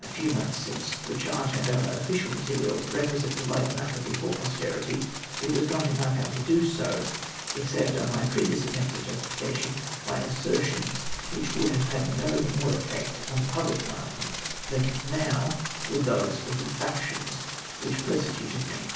3 few months since, tlie cliart and other official materials requisite to lay the matter l^efore posterity, it was not in my power to do so ; except, as on my previous attempts at justification, by assertions, which would have had no more effect on the pubhc mind than now would tliose of the factions which persecuted me.